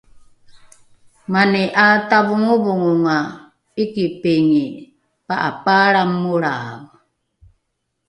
mani ’aatavongovongonga ’ikipingi pa’apaalra molrae